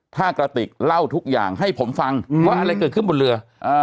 ถ้ากระติกเล่าทุกอย่างให้ผมฟังว่าอะไรเกิดขึ้นบนเรือ